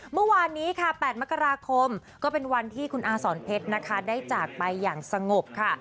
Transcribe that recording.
เมื่อวานนี้ค่ะ๘มกราคมก็เป็นวันที่คุณอาสอนเพชรนะคะได้จากไปอย่างสงบค่ะ